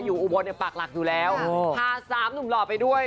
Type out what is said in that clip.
อุบลเนี่ยปากหลักอยู่แล้วพาสามหนุ่มหล่อไปด้วย